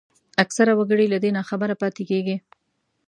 اکثره وګړي له دې ناخبره پاتېږي